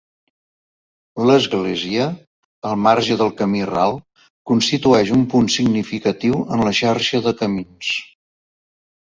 L'església, al marge del camí ral, constitueix un punt significatiu en la xarxa de camins.